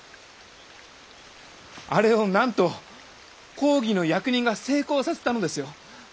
あれをなんと公儀の役人が成功させたのですよ。